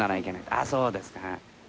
あそうですか。